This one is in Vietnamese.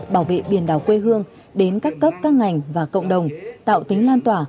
bảo vệ biển đảo quê hương đến các cấp các ngành và cộng đồng tạo tính lan tỏa